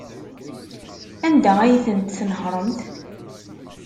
Anda ay tent-tnehṛemt?